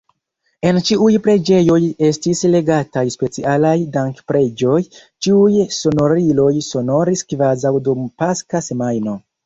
En ĉiuj preĝejoj estis legataj specialaj dankpreĝoj, ĉiuj sonoriloj sonoris kvazaŭ dum Paska semajno.